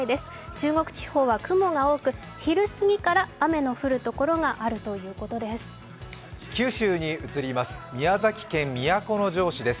中国地方は雲が多く、昼過ぎから雨の降る所があるということです。